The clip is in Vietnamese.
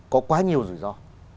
có quá nhiều rủi ro